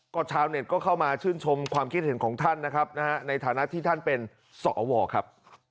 ก็ชาวเน็ตก็เข้ามาชื่นชมความคิดเห็นของท่านนะครับนะฮะในฐานะที่ท่านเป็นสวครับ